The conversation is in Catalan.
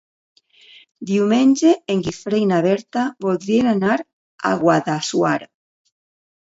Diumenge en Guifré i na Berta voldrien anar a Guadassuar.